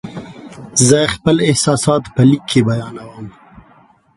زه خپل احساسات په لیک کې بیانوم.